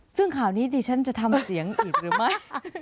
ซึ่งข่าวนี้ดิฉันจะทำเสียงอีกหรือไม่